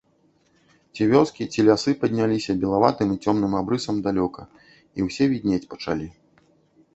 Ці вёскі, ці лясы падняліся белаватым і цёмным абрысам далёка, і ўсе віднець пачалі.